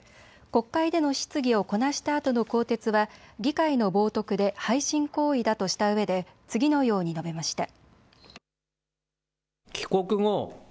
国会での質疑をこなしたあとの更迭は議会の冒とくで背信行為だとしたうえで次のように述べました。